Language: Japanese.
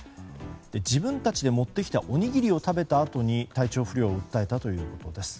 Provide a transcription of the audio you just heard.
自分たちで持ってきたおにぎりを食べたあとに体調不良を訴えたということです。